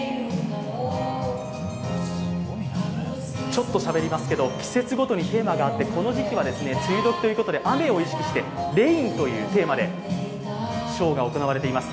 ちょっとしゃべりますけど、季節ごとにテーマがあってこの時期は梅雨時ということで雨を意識してレインというテーマでショーが行われています。